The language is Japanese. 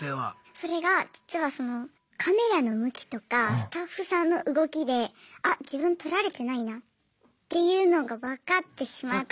それが実はカメラの向きとかスタッフさんの動きであ自分撮られてないなっていうのが分かってしまって。